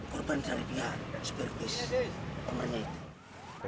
korban dari pihak superbus